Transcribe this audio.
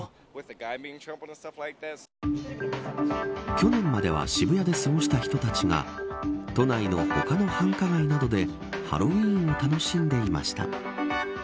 去年までは渋谷で過ごした人たちが都内の他の繁華街などでハロウィーンを楽しんでいました。